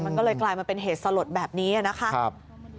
มันก็เลยกลายมาเป็นเหตุสลดแบบนี้นะครับ